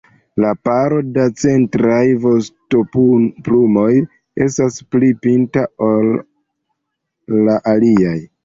La paro da centraj vostoplumoj estas pli pinta ol la aliaj.